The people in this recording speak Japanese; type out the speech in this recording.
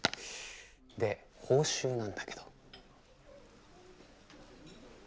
で報酬なんだけど。